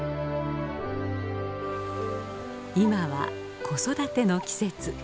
今は子育ての季節。